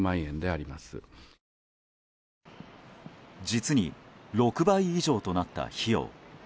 実に６倍以上となった費用。